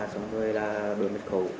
xong rồi là đưa mật khẩu